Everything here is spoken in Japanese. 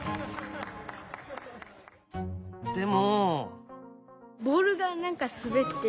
でも？